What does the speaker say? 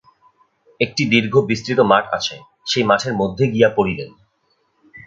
একটি দীর্ঘ বিস্তৃত মাঠ আছে, সেই মাঠের মধ্যে গিয়া পড়িলেন।